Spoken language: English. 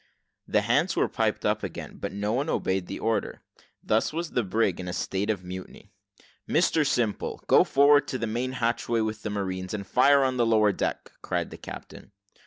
The hands were piped up again, but no one obeyed the order. Thus was the brig in a state of mutiny. "Mr Simple, go forward to the main hatchway with the marines, and fire on the lower deck," cried the captain.